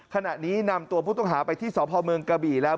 ขณะนี้นำตัวผู้ต้องหาไปที่สพเมืองกระบี่แล้ว